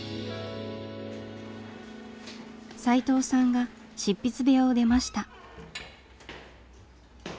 さいとうさんが執筆部屋を出ました。